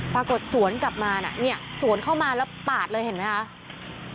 ปรากฏสวนกลับมาน่ะเนี่ยสวนเข้ามาแล้วปาดเลยเห็นไหมคะ